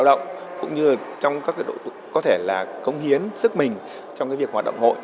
tạo động cũng như trong các đội có thể là cống hiến sức mình trong việc hoạt động hội